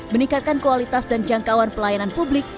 meningkatkan kualitas dan jangkauan pelayanan publik